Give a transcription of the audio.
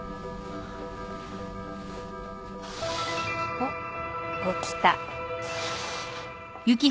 おっ起きた。